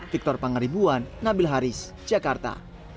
victor pangaribuan nabil haris jakarta